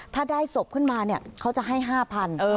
ถ้าได้ศพขึ้นมาเนี่ยเขาจะให้๕๐๐บาท